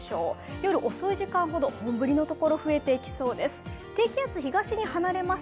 夜遅い時間ほど本降りのところ、増えていきそうです。